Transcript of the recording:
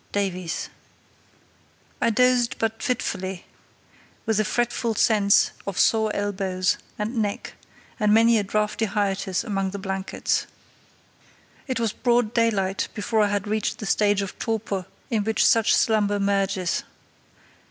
Davies I dozed but fitfully, with a fretful sense of sore elbows and neck and many a draughty hiatus among the blankets. It was broad daylight before I had reached the stage of torpor in which such slumber merges.